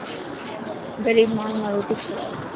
غريب ماڻهون نا روٽي کوڙائون.